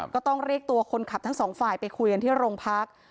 ก็ต้องเรียกตัวคนขับทั้งสองฝ่ายไปคุยกันที่โรงพัก